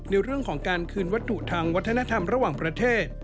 ในเรื่องของการคืนวัตถุทางวัฒนธรรมระหว่างประเทศ